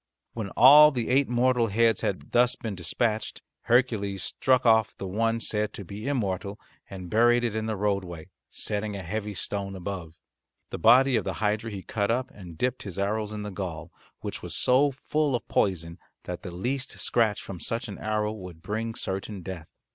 When all the eight mortal heads had thus been dispatched Hercules struck off the one said to be immortal and buried it in the roadway, setting a heavy stone above. The body of the hydra he cut up and dipped his arrows in the gall, which was so full of poison that the least scratch from such an arrow would bring certain death.